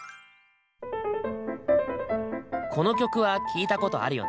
この曲は聴いたことあるよな？